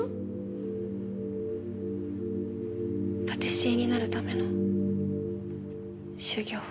パティシエになるための修業。